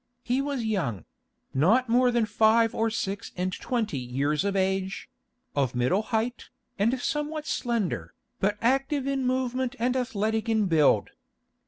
He was young—not more than five or six and twenty years of age—of middle height, and somewhat slender, but active in movement and athletic in build.